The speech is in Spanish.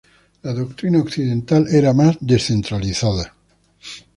La doctrina occidental era más descentralizada.